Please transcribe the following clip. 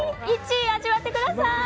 １位味わってください。